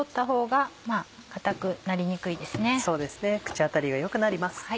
口当たりが良くなります。